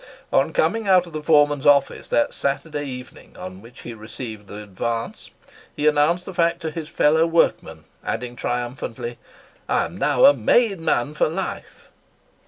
On coming out of the foreman's office that Saturday evening on which he received the advance, he announced the fact to his fellow workmen, adding triumphantly "I am now a made man for life!"